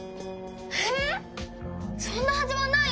へえっ⁉そんなはずはないよ！